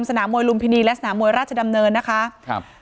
สนามมวยลุมพินีและสนามมวยราชดำเนินนะคะครับ